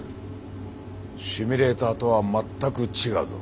シミュレーターとは全く違うぞ。